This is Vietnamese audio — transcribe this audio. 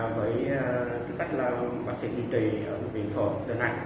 với tư cách là bác sĩ điều trị ở bệnh viện phổ đà nẵng